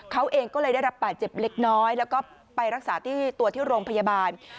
เขาเองก็เลยได้รับบาดเจ็บเล็กน้อยแล้วก็ไปรักษาที่ตัวที่โรงพยาบาล